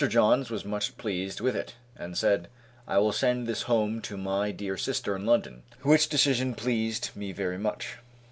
Johns was much pleased with it, and said, "I will send this home to my dear sister in London,". which decision pleased me very much.